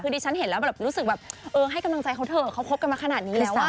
คือดิฉันเห็นแล้วแบบรู้สึกแบบเออให้กำลังใจเขาเถอะเขาคบกันมาขนาดนี้แล้วอ่ะ